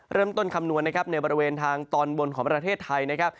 คำนวณนะครับในบริเวณทางตอนบนของประเทศไทยนะครับ